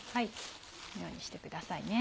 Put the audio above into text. このようにしてくださいね。